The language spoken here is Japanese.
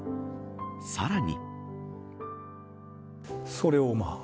さらに。